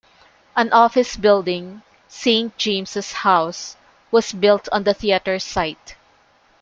An office building, Saint James's House, was built on the theatre's site.